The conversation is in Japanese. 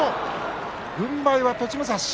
軍配は栃武蔵。